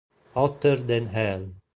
Hotter than Hell